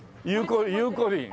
「ゆうこりん」